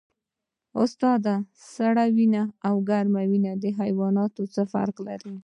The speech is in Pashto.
استاده سړه وینه او ګرمه وینه حیوانات څه فرق لري